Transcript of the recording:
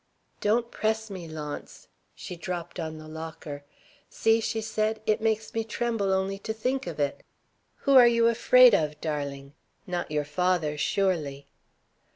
"Don't press me, Launce." She dropped on the locker. "See!" she said. "It makes me tremble only to think of it!" "Who are you afraid of, darling? Not your father, surely?"